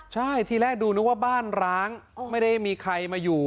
ใช่ทีแรกดูนึกว่าบ้านร้างไม่ได้มีใครมาอยู่